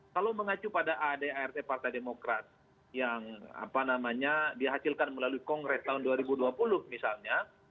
kalau mengacu pada adart partai demokrat yang dihasilkan melalui kongres tahun dua ribu dua puluh misalnya